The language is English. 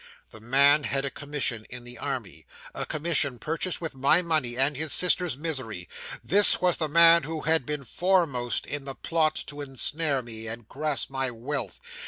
'This man had a commission in the army a commission, purchased with my money, and his sister's misery! This was the man who had been foremost in the plot to ensnare me, and grasp my wealth.